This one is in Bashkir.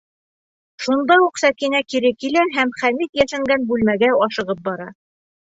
Шунда уҡ Сәкинә кире килә һәм Хәмит йәшенгән бүлмәгә ашығып бара.